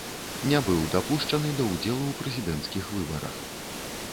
Не быў дапушчаны да ўдзелу ў прэзідэнцкіх выбарах.